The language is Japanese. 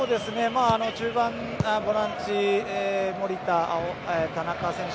中盤、ボランチの守田、田中選手。